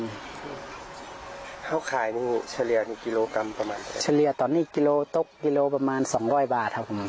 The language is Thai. เขาขายนี่เฉลี่ยนี่กิโลกรัมประมาณเฉลี่ยตอนนี้กิโลตกกิโลประมาณสองร้อยบาทครับผม